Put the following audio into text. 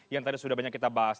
yang tadi sudah banyak kita bahas